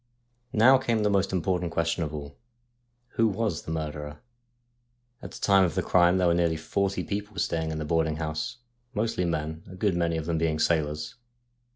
Now came the most important question of all : Who was the murderer ? At the time of the crime there were nearly forty people staying in the boarding house, mostly men, a good many of them being sailors.